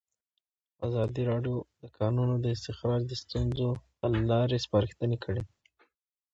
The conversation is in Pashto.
ازادي راډیو د د کانونو استخراج د ستونزو حل لارې سپارښتنې کړي.